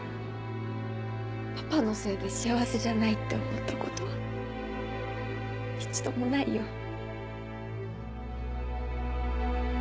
パパのせいで幸せじゃないって思ったことは一度もないよ。